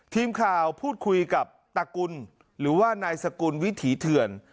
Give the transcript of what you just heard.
ทีมข่าวพูดคุยกับตระกุลหรือว่านายสกุลวิถีเถื่อน